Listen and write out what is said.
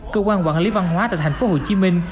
cơ quan quản lý văn hóa tại thành phố hồ chí minh